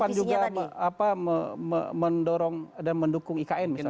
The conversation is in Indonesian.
paling depan juga apa mendorong dan mendukung ikn misalnya